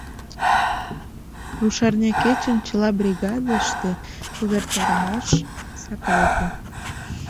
Рушарня кечын чыла бригадыште увертарымаш сакалте: